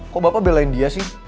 kok bapak belain dia sih